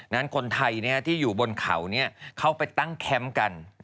คนไทยที่อยู่บนเขาเข้าไปตั้งแคมป์กัน